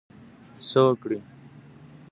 څه وکړی.